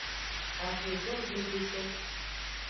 Axwegbogbledeto.